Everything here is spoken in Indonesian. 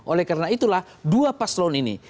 oleh karena itulah dua paslon ini